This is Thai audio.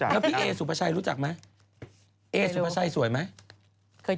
เขาอัพราคะให้เท่ากันแล้วได้หลุย